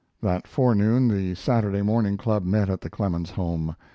That forenoon the Saturday Morning Club met at the Clemens home.